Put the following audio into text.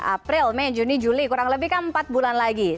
april mei juni juli kurang lebih kan empat bulan lagi